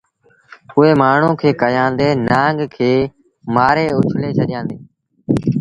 اُئي مآڻهوٚٚݩ ڪيٚ ڪيآݩدي نآݩگ کي مآري اُڇلي ڇڏيآݩدي